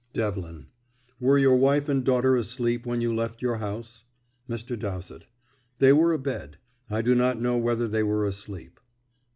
Devlin: "Were your wife and daughter asleep when you left your house?" Mr. Dowsett: "They were abed. I do not know whether they were asleep."